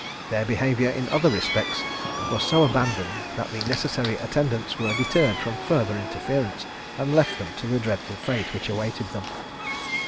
Their behaviour, in other respects, was so abandoned, that the necessary attendants were deterred from further interference, and left them to the dreadful fate which awaited them.